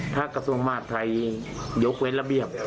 ถ้ากระทรวงมหาดไทยยกเว้นระเบียบ